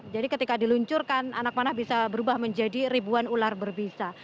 jadi ketika diluncurkan anak panah bisa berubah menjadi ribuan ular berbisa